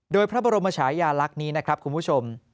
โดยพระบรมชายาลักษณ์นี้นะครับคุณผู้ชม